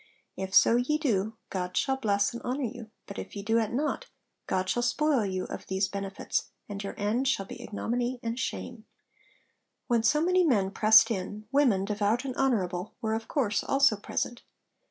If so ye do, God shall bless and honour you; but if ye do it not, God shall spoil you of these benefits, and your end shall be ignominy and shame.' When so many men pressed in, women, devout and honourable, were of course also present.